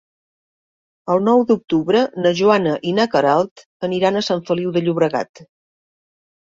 El nou d'octubre na Joana i na Queralt aniran a Sant Feliu de Llobregat.